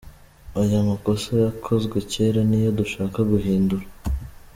Ayo makosa yakozwe kera niyo dushaka guhindura.